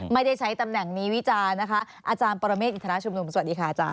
ไม่ได้ใช้ตำแหน่งนี้วิจารณ์นะคะอาจารย์ปรเมฆอินทรชุมนุมสวัสดีค่ะอาจาร